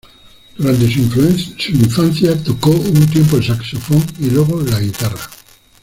Durante su infancia tocó un tiempo el saxofón, y luego la guitarra.